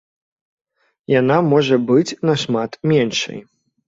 Яна можа быць нашмат меншай.